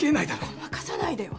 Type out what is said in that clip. ごまかさないでよ